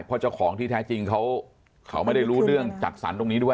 เพราะเจ้าของที่แท้จริงเขาไม่ได้รู้เรื่องจัดสรรตรงนี้ด้วย